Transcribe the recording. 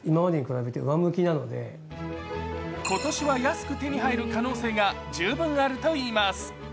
今年は安く手に入る可能性が十分あるといいます。